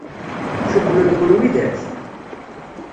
Cewwlen-ken widak?